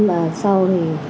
và sau thì